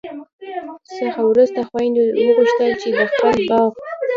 څخه وروسته خویندو وغوښتل چي د خپل باغ